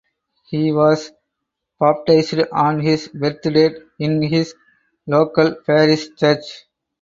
He was baptized on his birthdate in his local parish church.